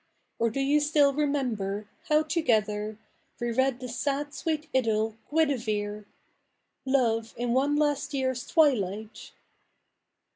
Or do you still remember hoiu together We read the sad sweet Idyll ' Guinevere^'' Love, in one last year's twilight